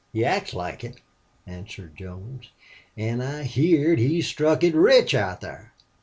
"He acts like it," answered Jones. "An' I heerd he struck it rich out thar."